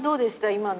今の。